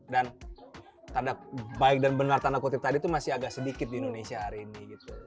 dan tanda baik dan benar tadi itu masih agak sedikit di indonesia hari ini